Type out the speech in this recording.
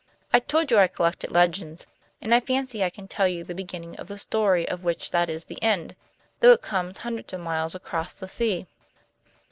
"I told you I collected legends, and I fancy I can tell you the beginning of the story of which that is the end, though it comes hundreds of miles across the sea."